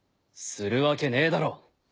するわけねえだろ！